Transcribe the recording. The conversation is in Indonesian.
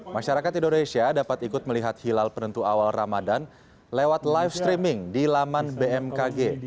masyarakat indonesia dapat ikut melihat hilal penentu awal ramadan lewat live streaming di laman bmkg